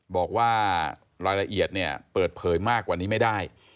บอกว่ารายละเอียดเนี่ยเปิดเผยมากกว่านี้ไม่ได้